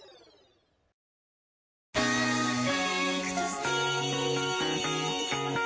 「パーフェクトスティック」